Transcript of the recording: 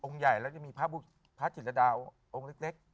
ใหญ่แล้วจะมีพระจิตรดาวองค์เล็ก